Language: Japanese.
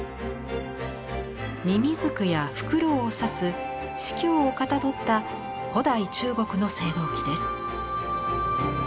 ミミズクやフクロウを指す鴟をかたどった古代中国の青銅器です。